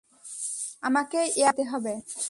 আমাকে এয়ারপোর্ট যেতে হবে।